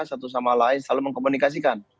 satu sama lain selalu mengkomunikasikan